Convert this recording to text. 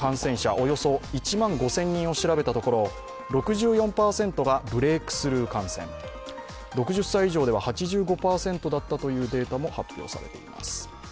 およそ１万５０００人を調べたところ６４％がブレークスルー感染６０歳以上では８５％だったというデータも発表されています。